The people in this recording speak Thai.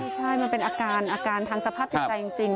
ใช่มันเป็นอาการอาการทางสภาพจิตใจจริง